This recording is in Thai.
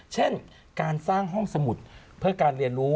เช่นการสร้างห้องสมุดเพื่อการเรียนรู้